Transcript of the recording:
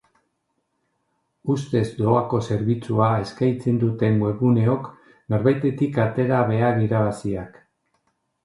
Ustez doako zerbitzua eskaitzen duten webguneok nonbaitetik atera behar irabaziak.